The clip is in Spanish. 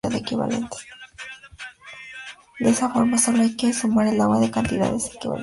De esta forma, solo hay que sumar al agua la cantidad de equivalentes.